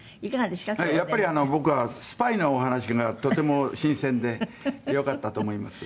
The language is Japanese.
やっぱり僕はスパイのお話がとても新鮮で良かったと思います。